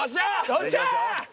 よっしゃー！